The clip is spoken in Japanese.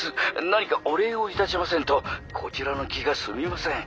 何かお礼をいたしませんとこちらの気が済みません。